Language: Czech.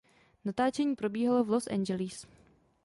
Natáčení probíhalo v Los Angeles.